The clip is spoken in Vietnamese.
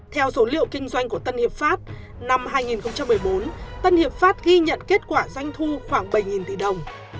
theo số liệu kinh doanh của tân hiệp pháp năm hai nghìn một mươi bốn tân hiệp pháp ghi nhận kết quả doanh thu khoảng bảy tỷ đồng